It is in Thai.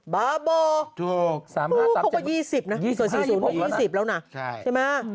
บาบอร์เขาเป็น๒๐นะส่วน๔๐เขาเป็น๒๐แล้วนะใช่ไหม